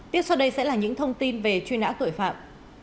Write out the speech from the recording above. tiếp sau đây sẽ là những thông tin về chuyên án tuổi phạm